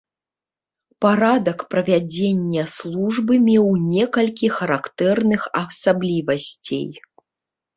Парадак правядзення службы меў некалькі характэрных асаблівасцей.